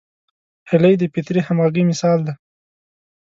هیلۍ د فطري همغږۍ مثال ده